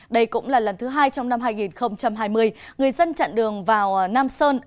đây cũng là lần thứ hai trong năm hai nghìn hai mươi người dân chặn đường vào nam sơn